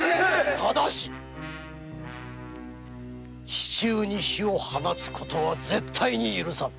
市中に火を放つことは絶対に許さん！